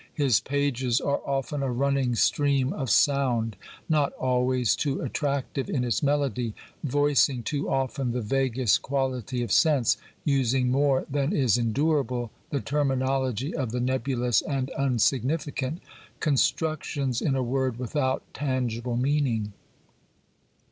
His pages are often a running stream of sound, not always too attractive in its melody, voicing too often the vaguest quality of sense, using more than is endurable the terminology of the nebulous and unsignificant— construc tions, in a word, without tangible meaning.